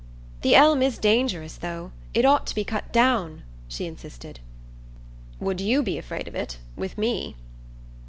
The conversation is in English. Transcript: "The elm is dangerous, though. It ought to be cut down," she insisted. "Would you be afraid of it, with me?"